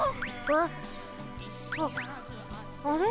あっあれ？